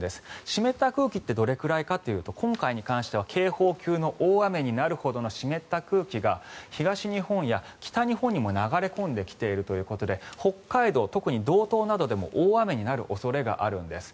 湿った空気ってどれくらいかというと今回に関しては警報級の大雨になるほどの湿った空気が東日本や北日本にも流れ込んできているということで北海道、特に道東などでも大雨になる恐れがあるんです。